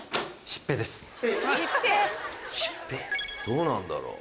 どうなんだろう？